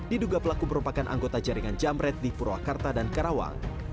diduga pelaku merupakan anggota jaringan jamret di purwakarta dan karawang